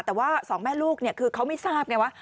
แต่ว่าสองแม่ลูกคือเขาไม่ทราบไงว่า